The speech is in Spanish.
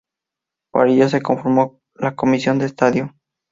Para ello se conformó la comisión de estadio.